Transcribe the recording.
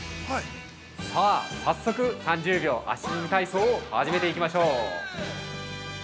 ◆さあ、早速、３０秒足踏み体操を始めていきましょう。